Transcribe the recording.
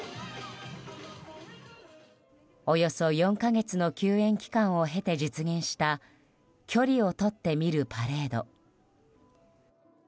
およそ４か月の休園期間を経て実現した距離をとって見るパレード。